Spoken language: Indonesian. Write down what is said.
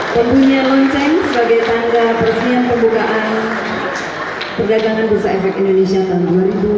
pembunyian lonceng sebagai tanda perhatian pembukaan perdagangan busa efek indonesia tahun dua ribu sembilan belas